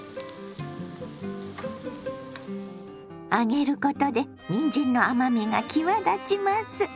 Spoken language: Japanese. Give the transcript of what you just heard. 揚げることでにんじんの甘みが際立ちます。